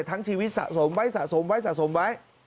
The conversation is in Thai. ทั้งชีวิตสะสมไว้สะสมไว้สะสมไว้